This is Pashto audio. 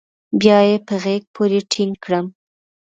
بيا يې په غېږ پورې ټينگ کړم.